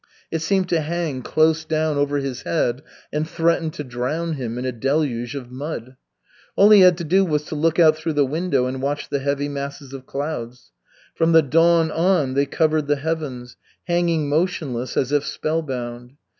It seemed to hang close down over his head and threaten to drown him in a deluge of mud. All he had to do was to look out through the window and watch the heavy masses of clouds. From the dawn on they covered the heavens, hanging motionless as if spellbound.